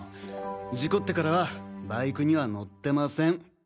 事故ってからはバイクには乗ってません。